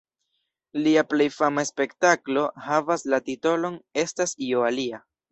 Lia plej fama spektaklo havas la titolon "Estas io alia".